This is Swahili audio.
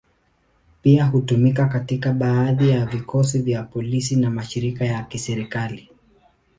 Pia hutumiwa katika baadhi ya vikosi vya polisi na mashirika ya kiserikali.